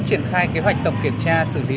triển khai kế hoạch tổng kiểm tra xử lý